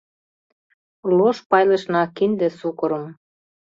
Лош пайлышна кинде сукырым